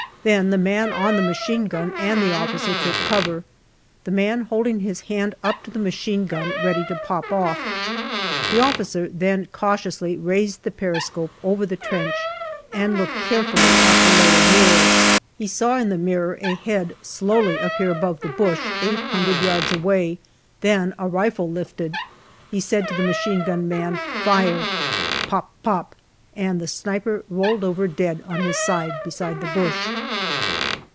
Then the man on the machine gun and the officer took cover, the man holding his hand up to the machine gun ready to pop off. The officer then cautiously raised the periscope over the trench and looked carefully at the lower mirror. 88 GALLIPOLI DIARY He saw in the mirror a head slowly appear above the bush eight hundred yards away, then a rifle lifted. He said to the machine gun man " Fire/' Pop pop, and the sniper rolled over dead on his side beside the bush.